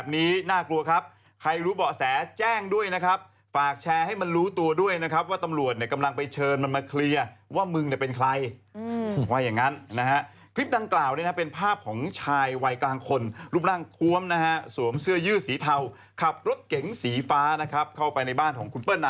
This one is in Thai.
นี่นะฮะขับรถมาเสร็จปึ๊บเข้ามาในบ้านเลยนะ